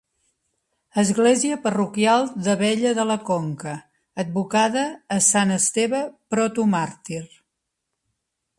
Església parroquial d'Abella de la Conca, advocada a sant Esteve, protomàrtir.